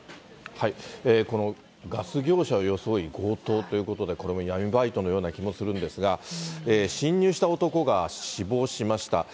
このガス業者を装い、強盗ということで、これも闇バイトのような気もするんですが、侵入した男が死亡しました。